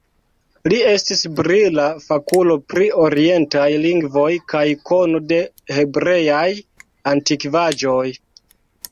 Li estis brila fakulo pri orientaj lingvoj kaj kono de hebreaj antikvaĵoj.